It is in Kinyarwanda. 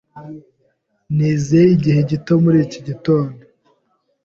Nize igihe gito muri iki gitondo.